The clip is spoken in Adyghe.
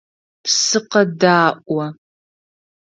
Сыкъэдаӏо.